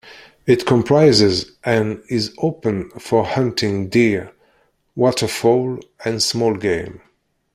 It comprises and is open for hunting deer, waterfowl, and small game.